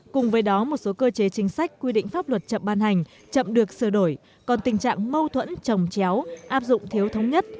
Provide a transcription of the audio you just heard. cùng với đó một số cơ chế chính sách quy định pháp luật chậm ban hành chậm được sửa đổi còn tình trạng mâu thuẫn trồng chéo áp dụng thiếu thống nhất